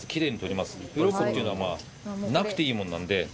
鱗っていうのはなくていいもんなんで。